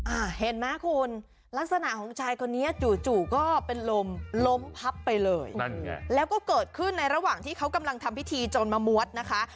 อ่าเห็นไหมคุณลักษณะของชายคนนี้จู่จู่ก็เป็นลมล้มพับไปเลยนั่นไงแล้วก็เกิดขึ้นในระหว่างที่เขากำลังทำพิธีจนมาม้วนนะคะ